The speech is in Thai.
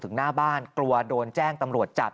หน้าบ้านกลัวโดนแจ้งตำรวจจับ